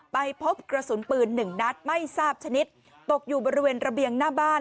ไปพบกระสุนปืนหนึ่งนัดไม่ทราบชนิดตกอยู่บริเวณระเบียงหน้าบ้าน